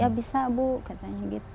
ya bisa bu katanya gitu